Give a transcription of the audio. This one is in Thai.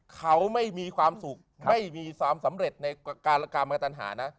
เขาไม่มีความสุขไม่มีความสำเร็จในการกระตันหานะ